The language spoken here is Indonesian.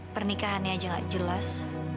pernikahannya aja nggak jelas